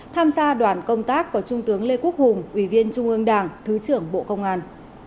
tham gia đoàn công tác có trung tướng lê quốc hùng ủy viên trung ương đảng thứ trưởng bộ công an